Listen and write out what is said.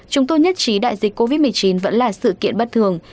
chúng tôi nhất trí đại dịch covid một mươi chín vẫn là sự kiện bất thường